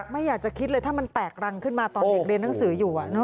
ไม่อยากจะคิดเลยถ้ามันแตกรังขึ้นมาตอนเด็กเรียนหนังสืออยู่